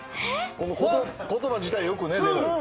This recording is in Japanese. この言葉自体よく見る。